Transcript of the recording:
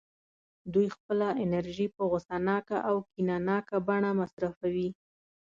دوی خپله انرژي په غوسه ناکه او کینه ناکه بڼه مصرفوي